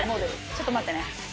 ちょっと待ってね。